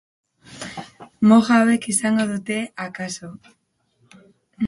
Moja hauek izango dute akaso.